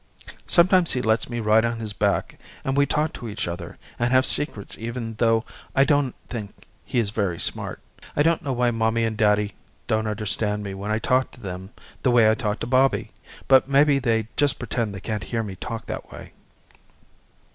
Sometimes he lets me ride on his back and we talk to each other and have secrets even though I don't think he is very smart. I don't know why mommy and daddy don't understand me when I talk to them the way I talk to Bobby but maybe they just pretend they can't hear me talk that way.